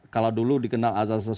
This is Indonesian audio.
kalau dulu dikenal asas